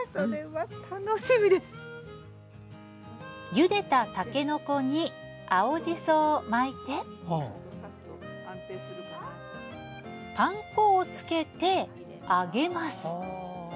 ゆでたたけのこに青じそを巻いてパン粉をつけて揚げます。